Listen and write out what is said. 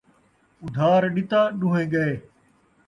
ادھار ݙتا ݙوہیں ڳئے